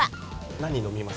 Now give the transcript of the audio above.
何飲みます？